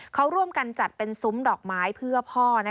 เขาร่วมกันจัดเป็นซุ้มดอกไม้เพื่อพ่อ